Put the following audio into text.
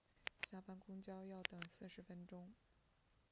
下班公车要等四十分钟